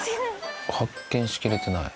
発見しきれてない。